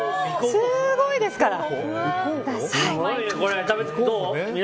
すごいですから。